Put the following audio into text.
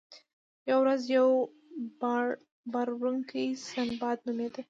یوه ورځ یو بار وړونکی سنباد نومیده.